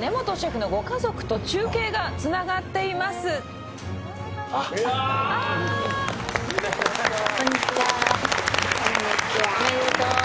根本シェフのご家族と中継がつながっていますああーああーこんにちはおめでとう